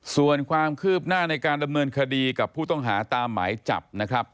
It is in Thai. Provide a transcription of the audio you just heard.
ส่วนความคืบหน้าในการดำเนินคดีกับผู้ต้องหาตามหมายจับนะครับ